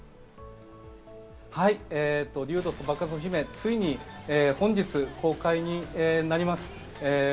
『竜とそばかすの姫』、ついに本日公開になります。